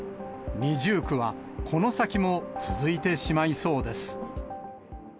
二重苦はこの先も続いてしまいそうです。